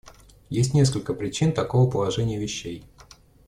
Есть несколько причин такого положения вещей.